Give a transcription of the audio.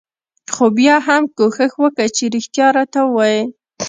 خو بيا هم کوښښ وکه چې رښتيا راته وايې.